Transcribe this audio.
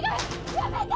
やめて！